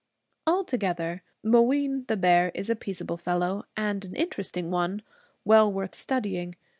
Altogether, Mooween the Bear is a peaceable fellow, and an interesting one, well worth studying.